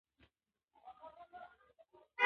څورلس لکه روپۍ يې له ځان سره واخستې.